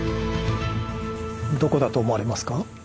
どこだと思われますか？